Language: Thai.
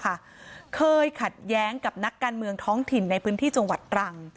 เคยขัดแย้งกับนักการเมืองท้องถิ่นในพื้นที่จังหวัดตรัง